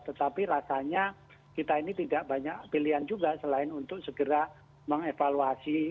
tetapi rasanya kita ini tidak banyak pilihan juga selain untuk segera mengevaluasi